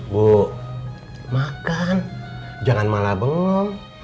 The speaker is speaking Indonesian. bu makan jangan malah bengom